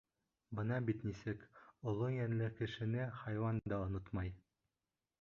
Бына бит нисек, оло йәнле кешене хайуан да онотмай.